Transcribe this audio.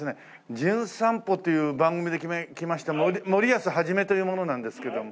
『じゅん散歩』という番組で来ました森保一という者なんですけども。